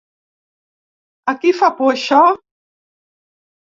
A qui fa por això?